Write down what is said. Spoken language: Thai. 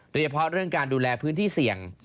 โดยเฉพาะเรื่องการดูแลพื้นที่เสี่ยง